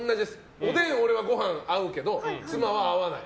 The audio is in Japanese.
おでん、俺はご飯、合うけど妻は合わない。